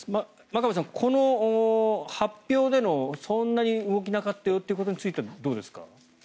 真壁さん、この発表でのそんなに動きがなかったよということについてはどうですか。